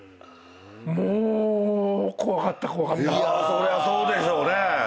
そりゃそうでしょうね。